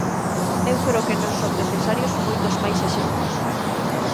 Eu creo que non son necesarios moitos máis exemplos.